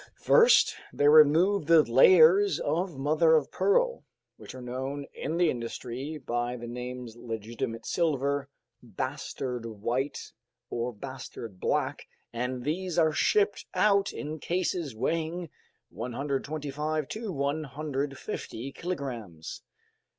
First they remove the layers of mother of pearl, which are known in the industry by the names legitimate silver, bastard white, or bastard black, and these are shipped out in cases weighing 125 to 150 kilograms.